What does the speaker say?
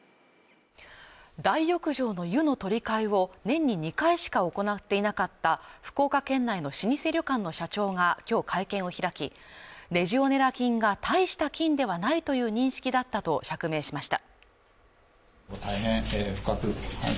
大浴場の湯の取り替えを年に２回しか行っていなかった福岡県内の老舗旅館の社長が今日会見を開き、レジオネラ菌が大した菌ではないという認識だったと釈明しました。